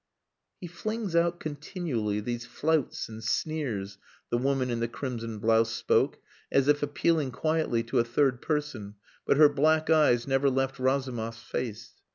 "He flings out continually these flouts and sneers;" the woman in the crimson blouse spoke as if appealing quietly to a third person, but her black eyes never left Razumov's face.